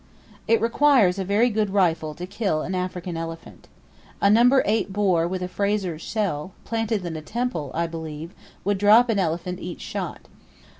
It requires a very good rifle to kill an African elephant. A No. 8 bore with a Frazer's shell, planted in the temple, I believe, would drop an elephant each shot.